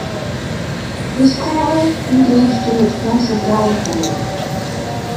His corps engaged in the defense of Gallipoli.